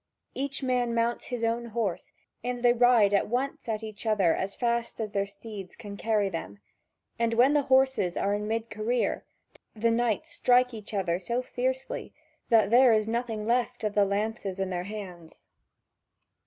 Each man mounts his own home, and they ride at once at each other as fast as the steeds can carry them; and when the horses are in mid career, the knights strike each other so fiercely that there is nothing left of the lances in their hands.